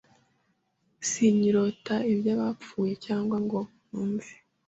sinkirota iby’abapfuye cyangwa ngo numve